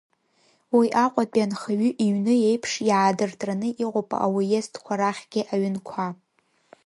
Уи Аҟәатәи Анхаҩы иҩны еиԥш иаадыртраны иҟоуп ауездқәа рахьгьы аҩынқәа.